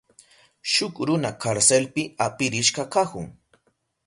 Shuk runa karselpi apirishka kahun.